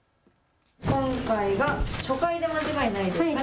今回が初回で間違いないですか。